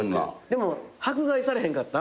でも迫害されへんかった？